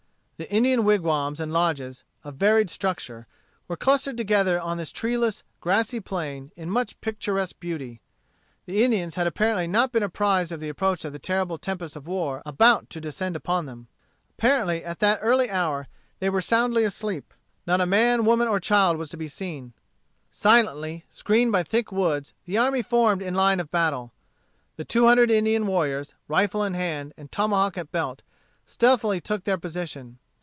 The Indian wigwams and lodges, of varied structure, were clustered together on this treeless, grassy plain, in much picturesque beauty. The Indians had apparently not been apprised of the approach of the terrible tempest of war about to descend upon them. Apparently, at that early hour, they were soundly asleep. Not a man, woman, or child was to be seen. Silently, screened by thick woods, the army formed in line of battle. The two hundred Indian warriors, rifle in hand and tomahawk at belt, stealthily took their position.